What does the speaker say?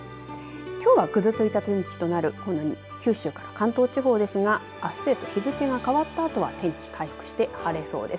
きょうはぐずついた天気となるこの九州から関東地方ですがあす、日付が変わったあとは天気、回復して晴れそうです。